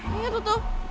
lihat lo tuh